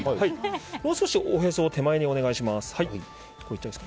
もう少しおへそを手前にお願いします。